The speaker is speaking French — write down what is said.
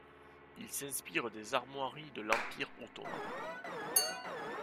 Il s'inspire des armoiries de l'Empire ottoman.